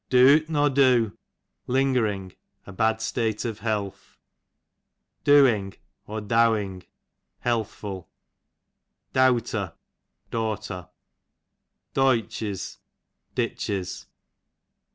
Doot nor do, lingering, a bad state of health. Doing, or) _.\ healthful. Dowing, j Dowter, daughter. Doytches, ditches.